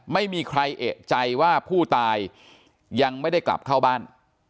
ไม่มีใครเอกใจว่าผู้ตายยังไม่ได้กลับเข้าบ้าน